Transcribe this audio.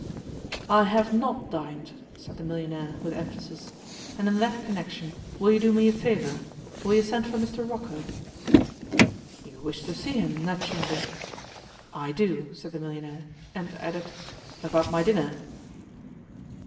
'I have not dined,' said the millionaire, with emphasis, 'and in that connexion will you do me a favour? Will you send for Mr Rocco?' 'You wish to see him, naturally.' 'I do,' said the millionaire, and added, 'about my dinner.